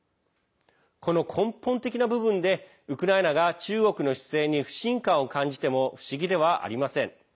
この根本的な部分でウクライナが中国の姿勢に不信感を感じても不思議ではありません。